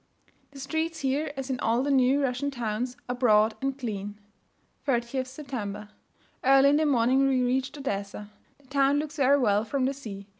The streets here, as in all the new Russian towns, are broad and clean. 30th September. Early in the morning we reached Odessa. The town looks very well from the sea.